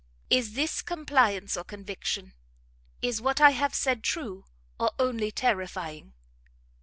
"Is this compliance or conviction? Is what I have said true, or only terrifying?"